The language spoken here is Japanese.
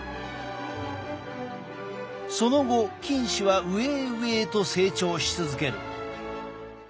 その後菌糸は上へ上へと成長し続ける。